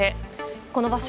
この場所